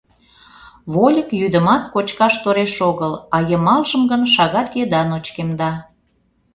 Вольык йӱдымат кочкаш тореш огыл, а йымалжым гын шагат еда ночкемда.